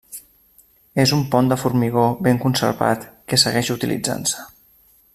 És un pont de formigó ben conservat que segueix utilitzant-se.